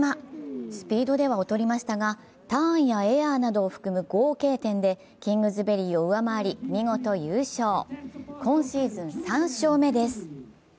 スピードでは劣りましたがターンやエアなどを含む合計点でキングズベリーを上回り、見事優勝今シーズン３勝目です。